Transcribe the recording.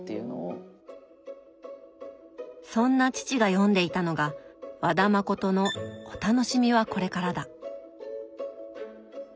そんな父が読んでいたのが和田誠の「お楽しみはこれからだ」。